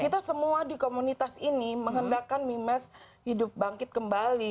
kita semua di komunitas ini menghendakkan mimes hidup bangkit kembali